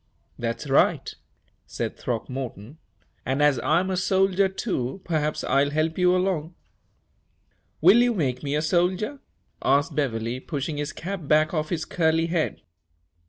"That's right," said Throckmorton, "and, as I'm a soldier, too, perhaps I'll help you along." "Will you make me a soldier?" asked Beverley, pushing his cap back off his curly head.